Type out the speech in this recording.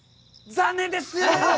残念です！